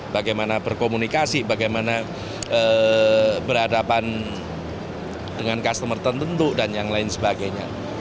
bagaimana berkomunikasi bagaimana berhadapan dengan customer tentu dan yang lain sebagainya